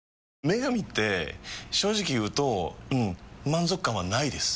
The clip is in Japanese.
「麺神」って正直言うとうん満足感はないです。